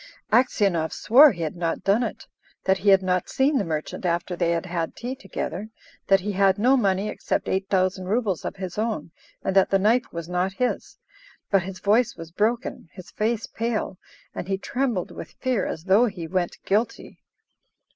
Aksionov swore he had not done it; that he had not seen the merchant after they had had tea together; that he had no money except eight thousand rubles of his own, and that the knife was not his. But his voice was broken, his face pale, and he trembled with fear as though he went guilty.